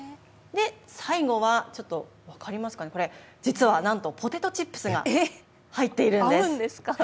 最後はちょっと分かりますかね、これ、実はなんとポテトチップスが入っているんです。